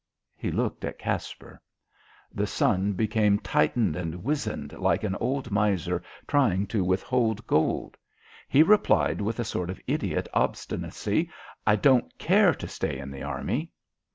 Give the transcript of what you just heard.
He looked at Caspar. The son became tightened and wizened like an old miser trying to withhold gold. He replied with a sort of idiot obstinacy, "I don't care to stay in the Army."